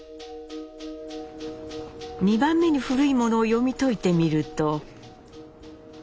２番目に古いものを読み解いてみると。